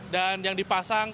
dan yang dipasang